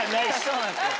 そうなんですよ。